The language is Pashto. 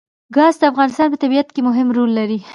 ګاز د افغانستان په طبیعت کې مهم رول لري.